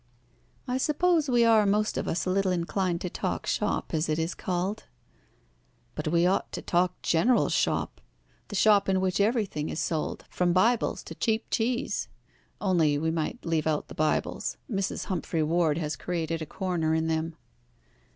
"I suppose we are most of us a little inclined to talk shop, as it is called." "But we ought to talk general shop, the shop in which everything is sold from Bibles to cheap cheese. Only we might leave out the Bibles. Mrs. Humphrey Ward has created a corner in them."